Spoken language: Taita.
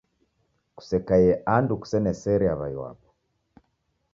Kusekaie andu kusena sere aw'ai wapo